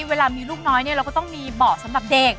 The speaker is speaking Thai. เวลามีลูกน้อยเราก็ต้องมีเบาะสำหรับเด็ก